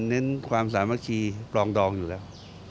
เน้นความสามัคคีปรองดองอยู่แล้ว